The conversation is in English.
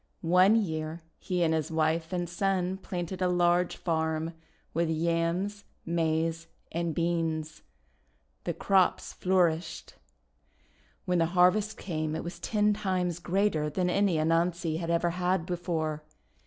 One year he and his wife and son planted a large farm with Yams, Maize, and Beans. The crops flourished. 166 THE WONDER GARDEN When the harvest came it was ten times greater than any Anansi had ever had before.